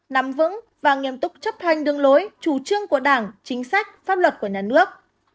nắm vững và nghiêm túc chấp hành đường lối chủ trương của đảng chính sách pháp luật của nhà nước